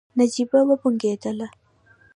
نجيبه وبنګېدله.